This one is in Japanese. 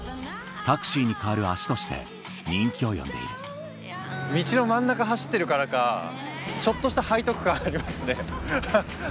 タクシーに代わる足として人気を呼んでいる道の真ん中走ってるからかちょっとした背徳感ありますね。